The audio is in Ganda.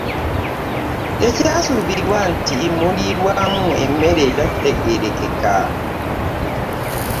Tekyasuubirwa nti mulivaamu emmere etegeerekeka.